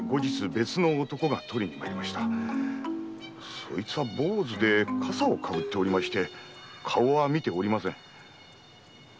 そいつは坊主で笠をかぶっていて顔は見ておりません。